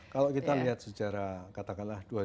kalau kita lihat sejarah katakanlah